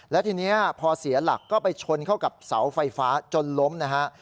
แล้วทีนี้พอเสียหลักก็ไปชนเข้ากับเสาไฟฟ้าจนล้มนะฮะ